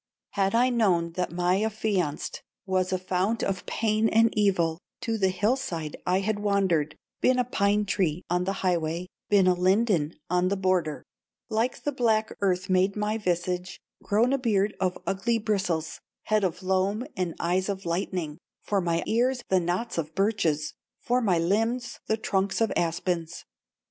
Had I known that mine affianced Was a fount of pain and evil, To the hill side I had wandered, Been a pine tree on the highway, Been a linden on the border, Like the black earth made my visage, Grown a beard of ugly bristles, Head of loam and eyes of lightning, For my ears the knots of birches, For my limbs the trunks of aspens.